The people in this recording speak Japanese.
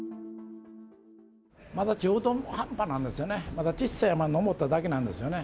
まだ中途半端なんですよね、まだ小さい山を登っただけなんですよね。